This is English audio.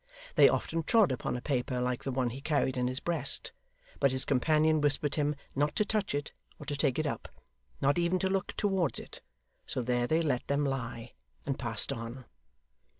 They often trod upon a paper like the one he carried in his breast, but his companion whispered him not to touch it or to take it up, not even to look towards it, so there they let them lie, and passed on.